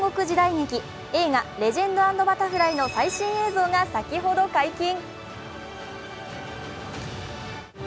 劇映画「レジェンド＆バタフライ」の最新映像が先ほど解禁。